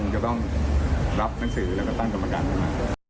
มันก็ต้องรับหนังสือแล้วก็ตั้งกรรมการกันใหม่